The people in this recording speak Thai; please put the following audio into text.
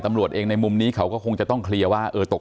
ตำรวจเองในมุมนี้เขาก็คงจะต้องเคลียร์ว่าเออตก